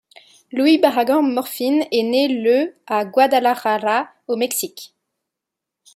Luis Barragán Morfín est né le à Guadalajara au Mexique.